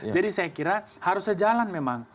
jadi saya kira harus sejalan memang